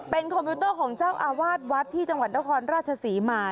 เป็นคอมพิวเตอร์ของเจ้าอาวาสวัดที่จังหวัดนครราชศรีมา